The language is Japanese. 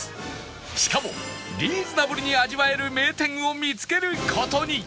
しかもリーズナブルに味わえる名店を見つける事に